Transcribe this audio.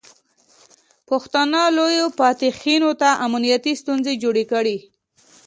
پښتانه لویو فاتحینو ته امنیتي ستونزې جوړې کړې.